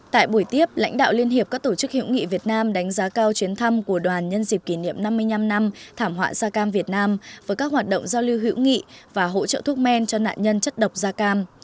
tại buổi tiếp lãnh đạo liên hiệp các tổ chức hiệu nghị việt nam đánh giá cao chuyến thăm của đoàn nhân dịp kỷ niệm năm mươi năm năm thảm họa da cam việt nam với các hoạt động giao lưu hữu nghị và hỗ trợ thuốc men cho nạn nhân chất độc da cam